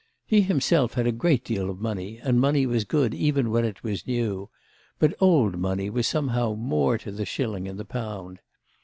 He himself had a great deal of money, and money was good even when it was new; but old money was somehow more to the shilling and the pound.